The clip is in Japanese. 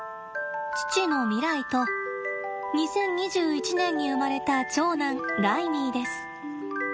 父のミライと２０２１年に生まれた長男ライミーです。